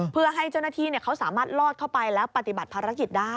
เพื่อให้เจ้าหน้าที่เขาสามารถลอดเข้าไปแล้วปฏิบัติภารกิจได้